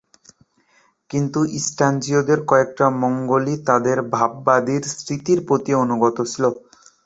কিন্তু, স্ট্র্যাঞ্জীয়দের কয়েকটা মণ্ডলী তাদের ভাববাদীর স্মৃতির প্রতি অনুগত ছিল।